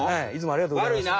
ありがとうございます。